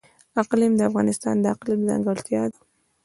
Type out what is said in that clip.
اقلیم د افغانستان د اقلیم ځانګړتیا ده.